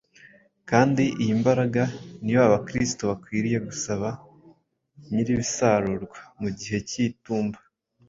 kandi iyi mbaraga ni yo Abakristo bakwiriye gusaba Nyiribisarurwa ” mu gihe cy’itumba”.